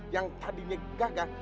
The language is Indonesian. yang tadinya gagah